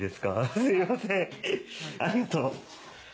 すみませんありがとう。